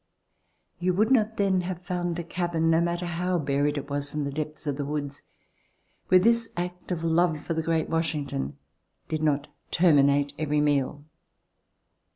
You would not then have found a cabin, no matter how buried it was in the depths of the woods, where this act of love for the great Washington did not terminate every meal.